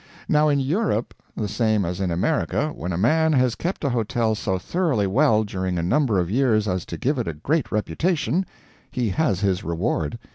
Now in Europe, the same as in America, when a man has kept a hotel so thoroughly well during a number of years as to give it a great reputation, he has his reward.